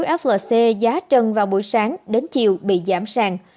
mà cổ phiếu flc giá trần vào buổi sáng đến chiều bị giảm sàng